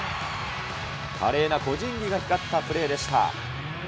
華麗な個人技が光ったプレーでした。